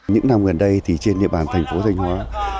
những năm gần đây thì trên địa bàn thành phố thanh hóa